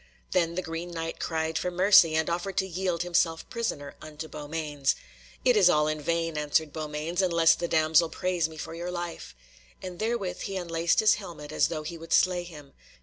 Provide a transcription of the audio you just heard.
Then the Green Knight cried for mercy, and offered to yield himself prisoner unto Beaumains. "It is all in vain," answered Beaumains, "unless the damsel prays me for your life," and therewith he unlaced his helmet as though he would slay him.